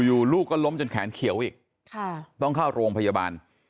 ลูกก็ล้มจนแขนเขียวอีกต้องเข้าโรงพยาบาล